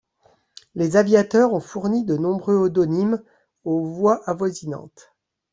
Les aviateurs ont fourni de nombreux odonymes aux voies avoisinantes.